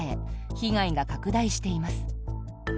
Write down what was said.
被害が拡大しています。